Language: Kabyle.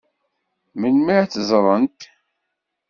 Melmi ad tt-ẓṛent?